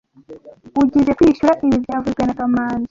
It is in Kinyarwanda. Ugizoe kwishyura ibi byavuzwe na kamanzi